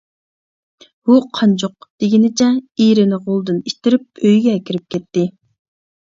ۋۇ قانجۇق-دېگىنىچە ئېرىنى غولىدىن ئىتتىرىپ ئۆيىگە ئەكىرىپ كەتتى.